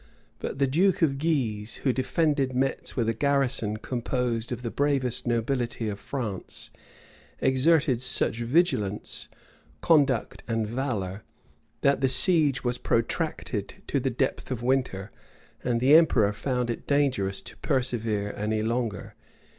But the duke of Guise, who defended Metz with a garrison composed of the bravest nobility of France, exerted such vigilance, conduct, and valor, that the siege was protracted to the depth of winter; and the emperor found it dangerous to persevere any longer.